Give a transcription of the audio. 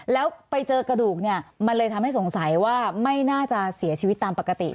แล้วไปเจอกระดูกเนี่ยมันเลยทำให้สงสัยว่าไม่น่าจะเสียชีวิตตามปกติ